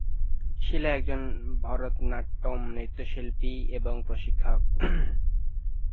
শীলা একজন ভরতনাট্যম নৃত্যশিল্পী এবং প্রশিক্ষক।